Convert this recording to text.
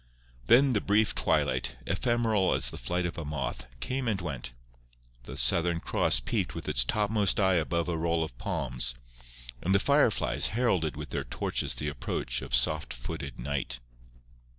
Then the brief twilight, ephemeral as the flight of a moth, came and went; the Southern Cross peeped with its topmost eye above a row of palms, and the fire flies heralded with their torches the approach of soft footed night.